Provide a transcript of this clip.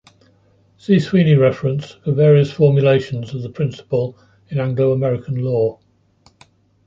See Sweeney reference for various formulations of the principle in Anglo-American law.